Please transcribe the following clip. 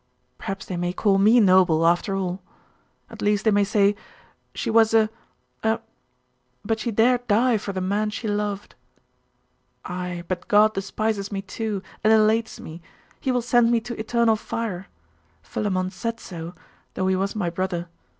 Perhaps they may call me noble, after all. At least, they may say "She was a a but she dare die for the man she loved!".... Ay, but God despises me too, and elates me. He will send me to eternal fire. Philammon said so though he was my brother.